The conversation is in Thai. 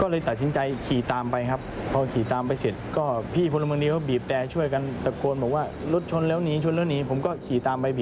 พี่พลมงฤีษภ์ก็ขี่ต่ามไปเรื่อยขี่ไปจนถึงทางด่วนนะครับ